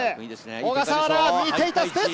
小笠原が見ていたスペース。